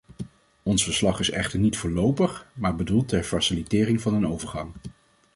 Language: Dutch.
Ons verslag is echter niet voorlopig, maar bedoeld ter facilitering van een overgang.